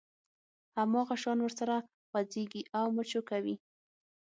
هماغه شان ورسره خوځېږي او مچو کوي.